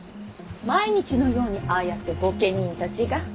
毎日のようにああやって御家人たちが。